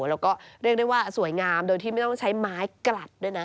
แล้วก็เรียกได้ว่าสวยงามโดยที่ไม่ต้องใช้ไม้กลัดด้วยนะ